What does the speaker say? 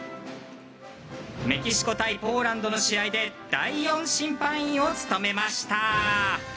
メキシコ対ポーランドの試合で第４審判員を務めました！